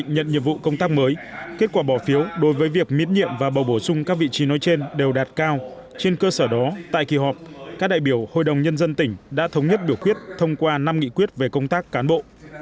nhận nhiệm vụ công tác mới kết quả bỏ phiếu đối với việc miễn nhiệm và bầu bổ sung các vị trí nói trên đều đạt cao trên cơ sở đó tại kỳ họp các đại biểu hội đồng nhân dân tỉnh đã thống nhất biểu quyết thông qua năm nghị quyết về công tác cán bộ